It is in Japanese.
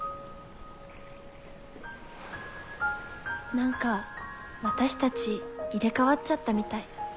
何か私たち入れ替わっちゃったみたい。